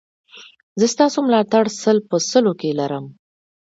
زه ستاسو ملاتړ سل په سلو کې لرم